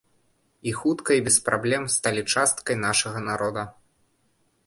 І хутка і без праблем сталі часткай нашага народа.